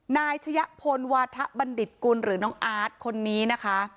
นายชะยะพลวาทะบัณฑิตกุลหรือน้องอาร์ตคนนี้นะคะ